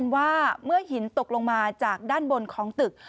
ว่าเมื่อหินตกลงมาจากด้านบนของตึก